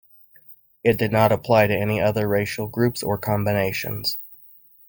It did not apply to any other racial groups or combinations.